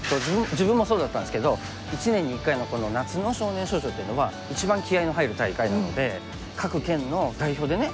自分もそうだったんですけど一年に一回の夏の少年少女っていうのは一番気合いの入る大会なので各県の代表でね